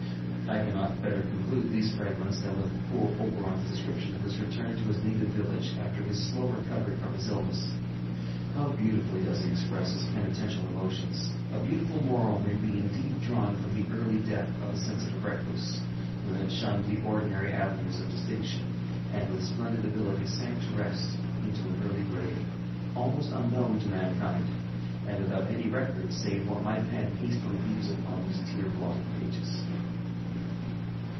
ŌĆØ I cannot better conclude these fragments than with poor OberonŌĆÖs description of his return to his native village after his slow recovery from his illness. How beautifully does he express his penitential emotions! A beautiful moral may be indeed drawn from the early death of a sensitive recluse, who had shunned the ordinary avenues of distinction, and with splendid abilities sank to rest into an early grave, almost unknown to mankind, and without any record save what my pen hastily leaves upon these tear blotted pages.